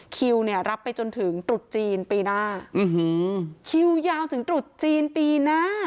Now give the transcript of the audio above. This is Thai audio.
คิวเนี่ยรับไปจนถึงตรุษจีนปีหน้าคิวยาวถึงตรุษจีนปีหน้า